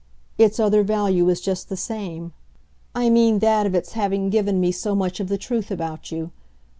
Its other value is just the same I mean that of its having given me so much of the truth about you.